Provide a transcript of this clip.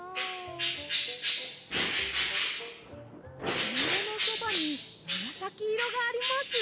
きいろのそばにむらさきいろがあります。